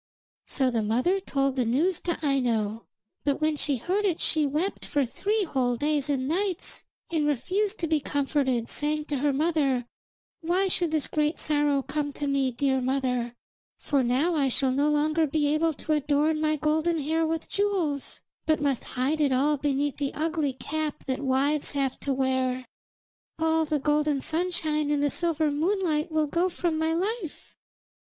So the mother told the news to Aino, but when she heard it she wept for three whole days and nights and refused to be comforted, saying to her mother: 'Why should this great sorrow come to me, dear mother, for now I shall no longer be able to adorn my golden hair with jewels, but must hide it all beneath the ugly cap that wives have to wear. All the golden sunshine and the silver moonlight will go from my life.'